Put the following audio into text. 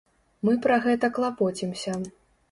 Мы пра гэта клапоцімся.